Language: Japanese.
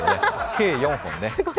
計４本ね。